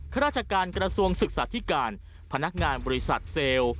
ราชการกระทรวงศึกษาธิการพนักงานบริษัทเซลล์